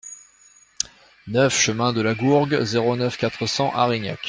neuf chemin de la Gourgue, zéro neuf, quatre cents Arignac